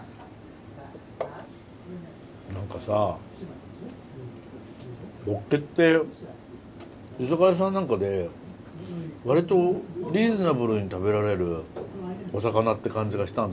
何かさホッケって居酒屋さんなんかでわりとリーズナブルに食べられるお魚って感じがしたんですよね。